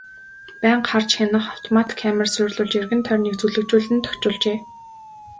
Байнга харж хянах автомат камер суурилуулж эргэн тойрныг зүлэгжүүлэн тохижуулжээ.